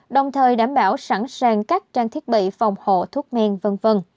đồng thời đảm bảo sẵn sàng các trang thiết bị phòng hộ thuốc men v v